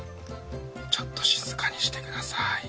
ちょっと静かにしてください。